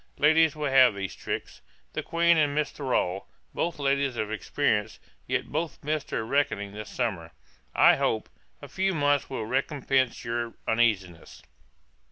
Ladies will have these tricks. The Queen and Mrs. Thrale, both ladies of experience, yet both missed their reckoning this summer. I hope, a few months will recompence your uneasiness.